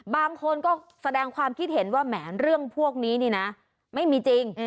บางคนก็แสดงความคิดเห็นว่าแหมเรื่องพวกนี้นี่นะไม่มีจริง